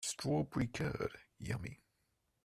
Strawberry curd, yummy!